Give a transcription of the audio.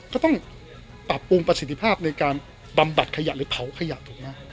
ก็ต้องปรับปรุงประสิทธิภาพในการบำบัดขยะหรือเผาขยะถูกไหม